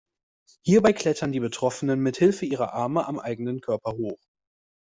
Hierbei klettern die Betroffenen mit Hilfe ihrer Arme am eigenen Körper hoch.